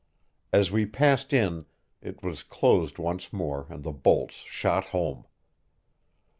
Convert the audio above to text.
As we passed in, it was closed once more and the bolts shot home.